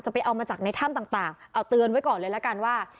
ไปเอามาจากในถ้ำต่างเอาเตือนไว้ก่อนเลยละกันว่า